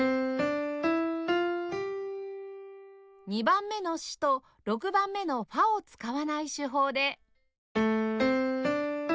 ２番目のシと６番目のファを使わない手法で